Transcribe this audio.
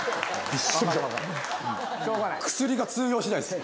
薬が通用しないです。